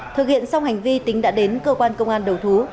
thực hiện xong hành vi tính đã đến cơ quan công an đầu thú